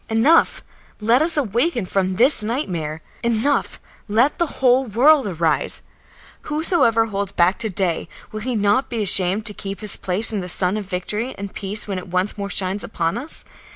Enough, let us awaken from this nightmare! Enough, let the whole world arise! Whosoever holds back to day, will he not be ashamed to keep his place in the sun of victory and peace when it once more shines upon us?